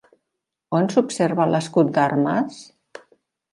On s'observa l'escut d'armes?